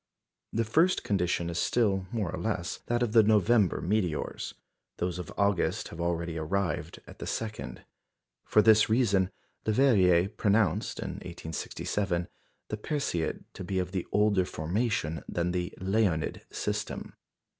The first condition is still, more or less, that of the November meteors; those of August have already arrived at the second. For this reason, Leverrier pronounced, in 1867, the Perseid to be of older formation than the Leonid system.